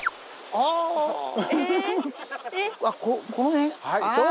あっこの辺ああ！